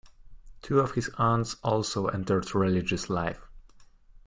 Two of his aunts also entered religious life.